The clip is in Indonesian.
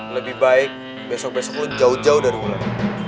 lebih baik besok besok lo jauh jauh dari ulan